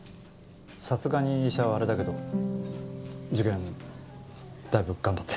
さすがに医者はあれだけど受験だいぶ頑張って。